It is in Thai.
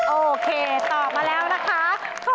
โอเคตอบมาแล้วนะคะ